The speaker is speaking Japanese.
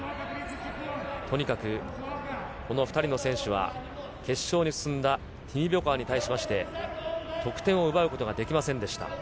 とにかく、この２人の選手は、決勝に進んだティニベコワに対しまして、得点を奪うことができませんでした。